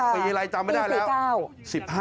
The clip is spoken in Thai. ปีไหนจำไม่ได้แล้วปี๑๙